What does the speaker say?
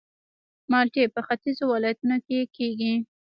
مالټې په ختیځو ولایتونو کې کیږي